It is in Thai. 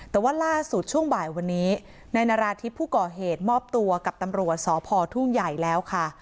แต่ว่าล่าสุดช่วงบ่ายวันนี้นายนาราธิบผู้ก่อเหตุมอบตัวกับตำรวจสพทุ่งใหญ่แล้วค่ะ